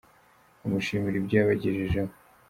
Bamushimira ibyo yabagejejeho.